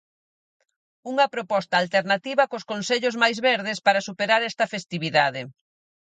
Unha proposta alternativa cos consellos máis verdes para superar esta festividade.